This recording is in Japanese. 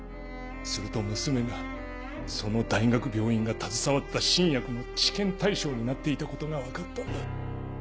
すると娘がその大学病院が携わった新薬の治験対象になっていたことが分かったんだ。